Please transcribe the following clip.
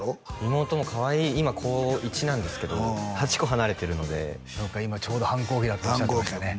妹もかわいい今高１なんですけど８コ離れてるので何か今ちょうど反抗期だとおっしゃってましたね